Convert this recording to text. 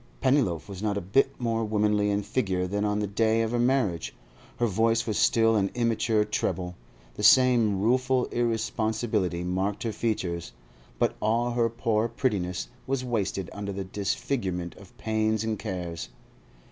Pennyloaf was not a bit more womanly in figure than on the day of her marriage; her voice was still an immature treble; the same rueful irresponsibility marked her features; but all her poor prettiness was wasted under the disfigurement of pains and cares.